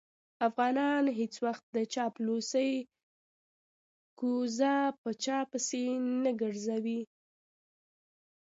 افغانان هېڅ وخت د چاپلوسۍ کوزه په چا پسې نه ګرځوي.